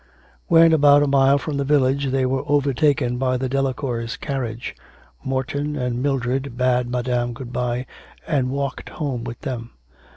When about a mile from the village they were overtaken by the Delacours' carriage. Morton and Mildred bade Madame good bye and walked home with them.